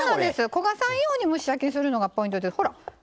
焦がさないように蒸し焼きにするのがポイント。